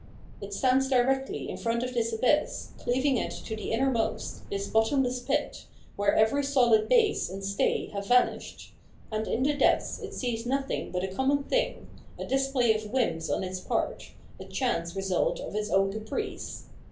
It stands directly in front of this abyss, cleaving it to the innermost, this bottomless pit, where every sohd base and stay have vanished : and in the depths it sees nothing but a common thing, a display of whims on its part, a chance result of its qwn caprice.